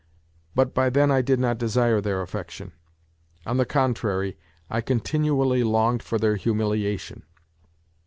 But by then I did not desire their affection : on the contrary I continually longed for their humiliation.